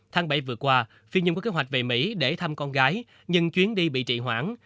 tháng bảy vừa qua phi nhung có kế hoạch về mỹ để thăm con gái nhưng chuyến đi bị trị hoãn